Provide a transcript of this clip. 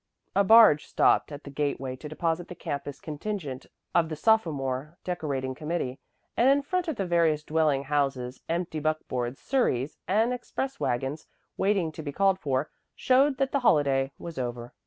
A barge stopped at the gateway to deposit the campus contingent of the sophomore decorating committee, and in front of the various dwelling houses empty buckboards, surreys and express wagons, waiting to be called for, showed that the holiday was over.